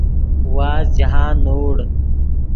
وازد جاہند نوڑ